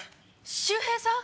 周平さん？